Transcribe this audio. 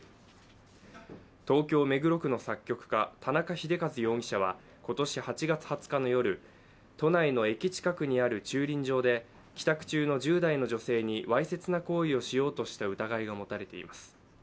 東京・目黒区の作曲家、田中秀和容疑者は今年８月２０日の夜都内の駅近くにある駐輪場で帰宅中の１０代の女性にわいせつな行為をしようとした疑いが持たれています。